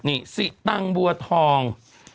นี่สิตังบัวทอง